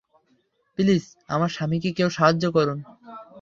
Please, আমার স্বামীকে কেউ সাহায্য করুন।